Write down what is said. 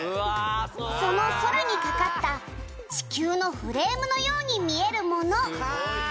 「その空にかかった地球のフレームのように見えるもの」